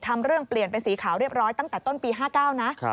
ทำเรื่องเปลี่ยนเป็นสีขาวเรียบร้อยตั้งแต่ต้นปี๕๙นะ